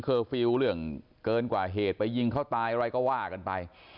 เกินไปเกินกว่าเหตุไปยิงเขาตายอะไรก็ว่ากันไป